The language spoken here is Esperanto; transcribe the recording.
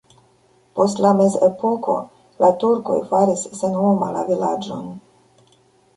Post la mezepoko la turkoj faris senhoma la vilaĝon.